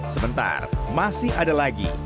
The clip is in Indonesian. sebentar masih ada lagi